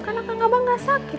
kan akan abah gak sakit